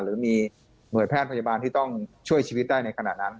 หรือมีหน่วยแพทย์พยาบาลที่ต้องช่วยชีวิตได้ในขณะนั้น